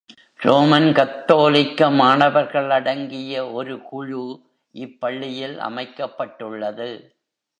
Roman கத்தோலிக்க மாணவர்களடங்கிய ஒரு குழு இப் பள்ளியில், அமைக்கப் பட்டுள்ளது.